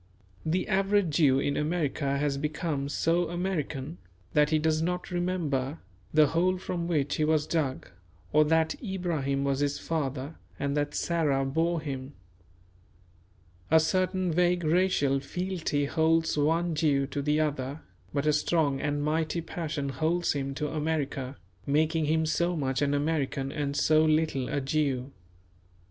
The average Jew in America has become so American that he does not remember the hole from which he was dug, or that Abraham was his father and that Sarah bore him. A certain vague racial fealty holds one Jew to the other; but a strong and mighty passion holds him to America, making him so much an American and so little a Jew.